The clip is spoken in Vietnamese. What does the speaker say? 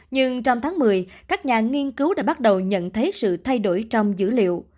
nhưng trong tháng một mươi các nhà nghiên cứu đã bắt đầu nhận thấy sự thay đổi trong dữ liệu